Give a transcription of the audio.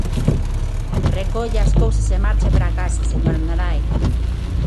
Recolla as cousas e marche para a casa, señora Narai.